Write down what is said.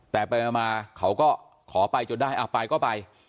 แต่ไปมาเขาก็ขอไปจนได้ไปก็ไป